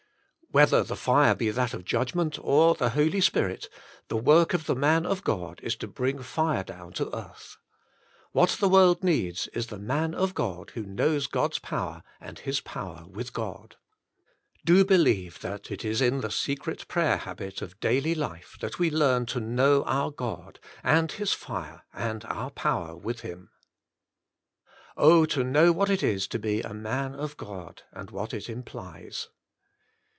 Whether the fire be that of judgment or the Holy Spirit, the work of the man of God is to bring fire down to earth. "VHiat the world needs is the man of God who knows God's power, and his power with God. Do believe that it is in the secret prayer habit, of daily life that we learn to know our God, and His fire, and our power with Him. Oh ! to know what it is to be a man of God, and what it implies.